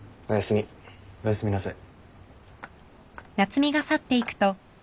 おやすみなさい。